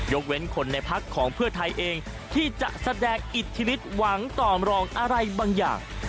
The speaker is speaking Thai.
เว้นคนในพักของเพื่อไทยเองที่จะแสดงอิทธิฤทธิหวังต่อมรองอะไรบางอย่าง